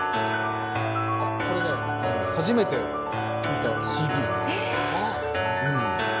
これね、初めて聴いたＣＤなんです。